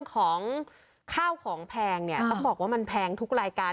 ของข้าวของแพงเนี่ยต้องบอกว่ามันแพงทุกรายการ